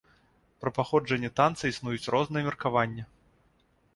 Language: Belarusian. Пра паходжанне танца існуюць розныя меркаванні.